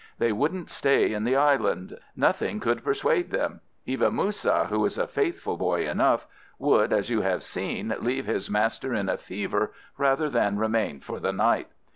They wouldn't stay in the island—nothing could persuade them. Even Moussa, who is a faithful boy enough, would, as you have seen, leave his master in a fever rather than remain for the night.